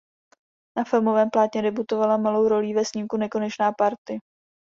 Na filmovém plátně debutovala malou rolí ve snímku "Nekonečná party".